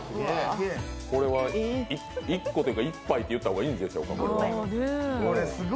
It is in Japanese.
１個というか、１杯と言った方がいいんでしょうか。